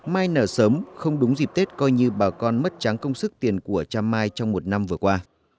mai nở sớm không đúng dịp tết coi như bà con mất trắng công sức tiền của cha mai trong một năm vừa qua